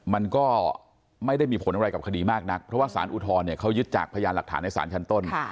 มันก็ไม่ได้มีผลอะไรกับคดีมากนักเพราะว่าสารอุทธรณ์เขายึดจากพยานหลักฐานในศาลชั้นต้น